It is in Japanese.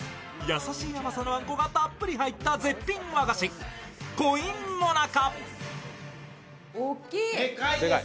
優しい甘さのあんこがたっぷり入った絶品和菓子・古印最中。